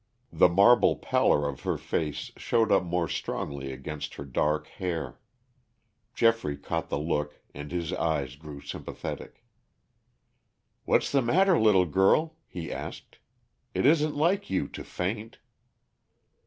The marble pallor of her face showed up more strongly against her dark hair. Geoffrey caught the look and his eyes grew sympathetic. "What's the matter, little girl?" he asked. "It isn't like you to faint."